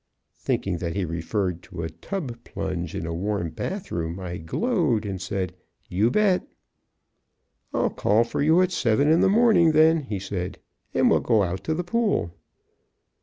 Thinking that he referred to a tub plunge in a warm bathroom, I glowed and said: "You bet." "I'll call for you at seven in the morning, then," he said, "and we'll go out to the pool."